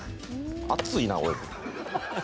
熱いな、おい。